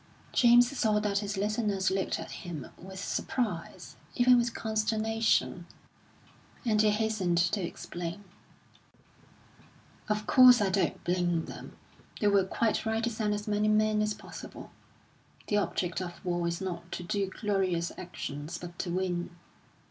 James saw that his listeners looked at him with surprise, even with consternation; and he hastened to explain. "Of course, I don't blame them. They were quite right to send as many men as possible. The object of war is not to do glorious actions, but to win.